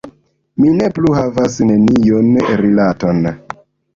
Mi ne plu havas neniun rilaton.